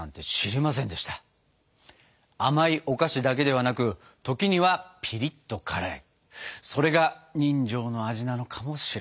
甘いお菓子だけではなく時にはピリッと辛いそれが人情の味なのかもしれません。